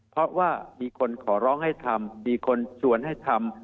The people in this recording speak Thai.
เพราะว่ามีคนขอร้องให้ทำมีคนชวนให้ทำ